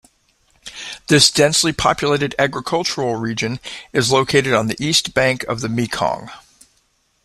This densely populated agricultural region is located on the east bank of the Mekong.